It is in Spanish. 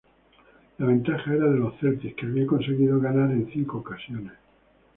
La ventaja era de los Celtics, que habían conseguido ganar en cinco ocasiones.